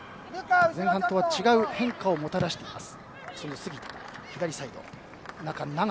前半とは違う変化をもたらしています。